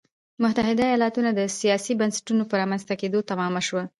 متحده ایالتونو کې د سیاسي بنسټونو په رامنځته کېدو تمامه شوه.